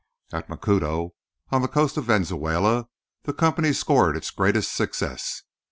At Macuto, on the coast of Venezuela, the company scored its greatest success.